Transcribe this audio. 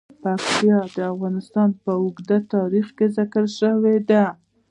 پکتیا د افغانستان په اوږده تاریخ کې ذکر شوی دی.